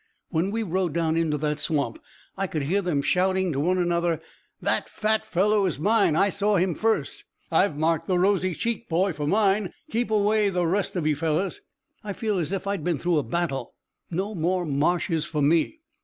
When we rode down into that swamp I could hear them shouting, to one another: 'That fat fellow is mine, I saw him first! I've marked the rosy cheeked boy for mine. Keep away the rest of you fellows!' I feel as if I'd been through a battle. No more marshes for me."